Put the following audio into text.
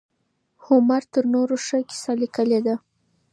هومر تر نورو ښه کيسه ليکلې ده.